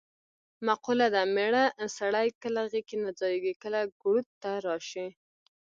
مقوله ده: مېړه سړی کله غېږ کې نه ځایېږې کله ګروت ته راشي.